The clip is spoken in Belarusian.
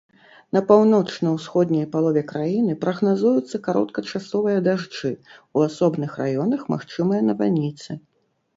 На паўночна-ўсходняй палове краіны прагназуюцца кароткачасовыя дажджы, у асобных раёнах магчымыя навальніцы.